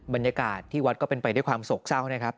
บรรยากาศที่วัดก็เป็นไปด้วยความโศกเศร้านะครับ